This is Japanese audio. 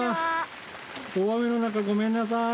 大雨の中ごめんなさい。